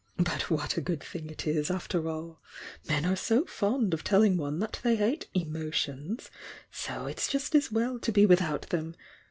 "But what a good thing it is, after all! Men are so fond of telling one that they hate 'emotions' — so it's just as well to be without them!